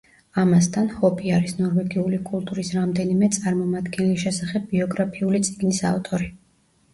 ამასთან, ჰოპი არის ნორვეგიული კულტურის რამდენიმე წარმომადგენლის შესახებ ბიოგრაფიული წიგნის ავტორი.